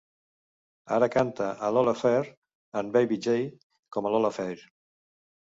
Ara canta a Lola Fair and Baby J com a Lola Fair.